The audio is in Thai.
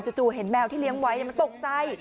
จู่เห็นแมวที่เลี้ยงไว้มันตกใจ